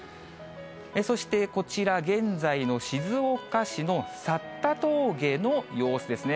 そして、こちら、現在の静岡市のさった峠の様子ですね。